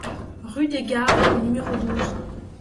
Rue des Gards au numéro douze